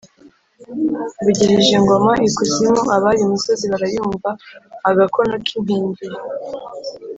mvugirije ingoma ikuzimu abari imusozi barayumva-agakono k'impengeri.